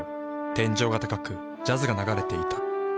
天井が高くジャズが流れていた。